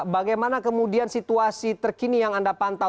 bagaimana kemudian situasi terkini yang anda pantau